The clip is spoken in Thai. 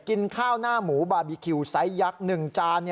กินข้าวหน้าหมูบาร์บีคิวไซส์ยักษ์๑จาน